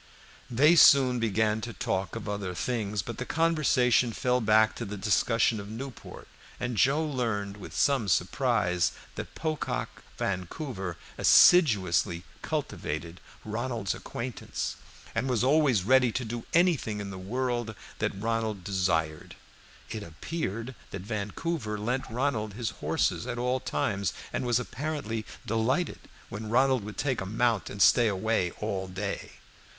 They soon began to talk of other things, but the conversation fell back to the discussion of Newport, and Joe learned with some surprise that Pocock Vancouver assiduously cultivated Ronald's acquaintance, and was always ready to do anything in the world that Ronald desired. It appeared that Vancouver lent Ronald his horses at all times, and was apparently delighted when Ronald would take a mount and stay away all day.